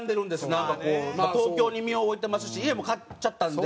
なんかこう東京に身を置いてますし家も買っちゃったんで。